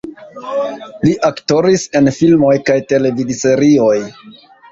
Li aktoris en filmoj kaj televidserioj.